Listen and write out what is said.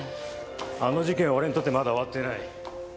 あの事件は俺にとってまだ終わっていない。